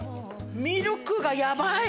ミルクがやばい！